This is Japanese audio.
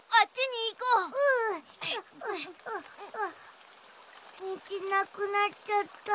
にじなくなっちゃった。